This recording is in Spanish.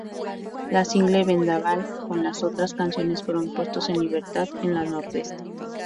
La single "Vendaval" con las otras canciones fueron puestos en libertad en la Nordeste.